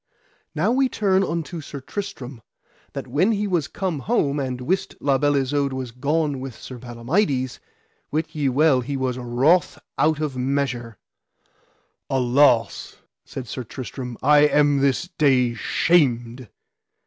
Now turn we unto Sir Tristram, that when he was come home and wist La Beale Isoud was gone with Sir Palamides, wit ye well he was wroth out of measure. Alas, said Sir Tristram, I am this day shamed.